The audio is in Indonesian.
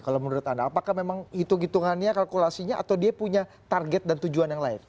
kalau menurut anda apakah memang hitung hitungannya kalkulasinya atau dia punya target dan tujuan yang lain